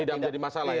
tidak menjadi masalah ya